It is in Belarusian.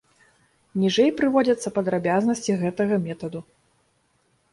Ніжэй прыводзяцца падрабязнасці гэтага метаду.